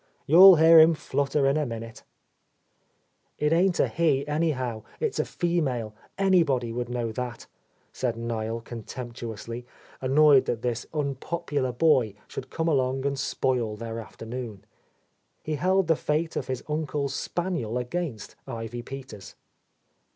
You'll hear him flutter in a minute," "It ain't a he, anyhow. It's a female. Any body would know that," said Niel contemptu ously, annoyed that this unpopular boy should come along and spoil their afternoon. He held . the fate of his uncle's spaniel against Ivy Peters.